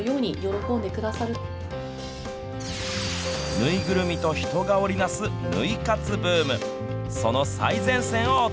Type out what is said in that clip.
縫いぐるみと人が織りなすぬい活ブーム。